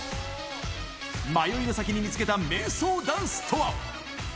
迷いの先に見つけた迷走ダンスとは。